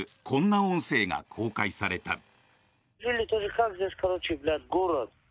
こんな音声が公開された。